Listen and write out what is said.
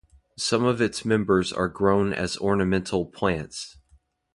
Some of its members are grown as ornamental plants.